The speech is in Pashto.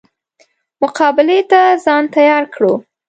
مقابلې ته ځان تیار کړو.